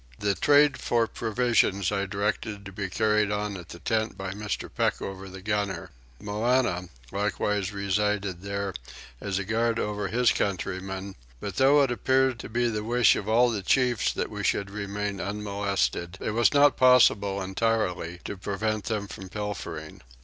The trade for provisions I directed to be carried on at the tent by Mr. Peckover the gunner. Moannah likewise resided there as a guard over his countrymen; but though it appeared to be the wish of all the chiefs that we should remain unmolested it was not possible entirely to prevent them from pilfering.